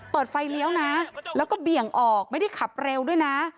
เปิดไฟเลี้ยวนะแล้วก็เบี่ยงออกไม่ได้ขับเร็วด้วยนะ